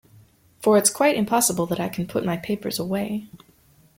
For it's quite impossible that I can put my papers away.